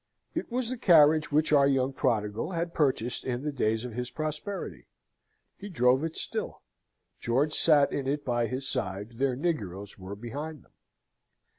It was the carriage which our young Prodigal had purchased in the days of his prosperity. He drove it still: George sate in it by his side; their negroes were behind them.